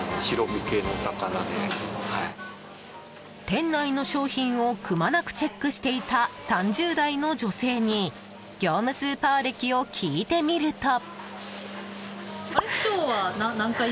店内の商品をくまなくチェックしていた３０代の女性に業務スーパー歴を聞いてみると。